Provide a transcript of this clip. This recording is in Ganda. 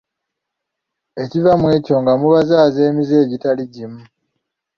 Ekiva mu ekyo nga mubazaaza emize egitali gimu.